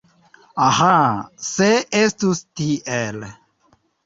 Aĥ, se estus tiel!